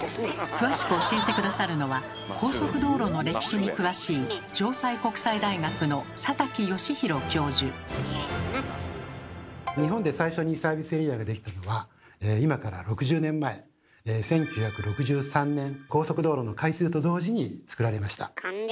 詳しく教えて下さるのは高速道路の歴史に詳しい日本で最初にサービスエリアが出来たのは今から６０年前１９６３年高速道路の開通と同時につくられました。